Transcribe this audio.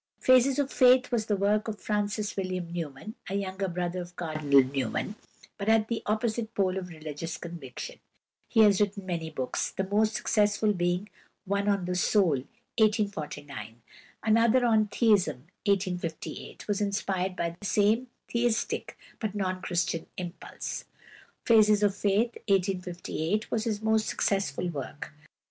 "Phases of Faith" was the work of =Francis William Newman (1805 1897)=, a younger brother of Cardinal Newman, but at the opposite pole of religious conviction. He has written many books, the most successful being one on "The Soul" (1849). Another on "Theism" (1858), was inspired by the same theistic, but non Christian impulse. "Phases of Faith" (1858), was his most successful work.